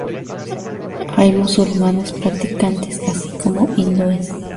Hay musulmanes practicantes, así como hindúes.